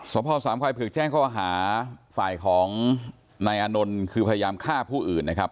พ่อสามควายเผือกแจ้งข้อหาฝ่ายของนายอานนท์คือพยายามฆ่าผู้อื่นนะครับ